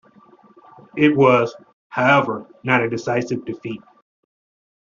It was, however, not a decisive defeat.